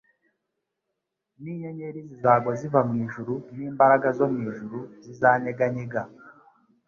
n'inyenyeri zizagwa ziva mu ijuru n'imbaraga zo mu ijuru zizanyeganyega.